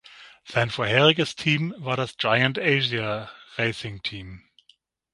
Sein vorheriges Team war das Giant Asia Racing Team.